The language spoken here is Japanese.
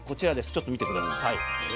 ちょっと見て下さい。